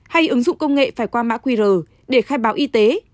hay ứng dụng công nghệ phải qua mã qr để khai báo y tế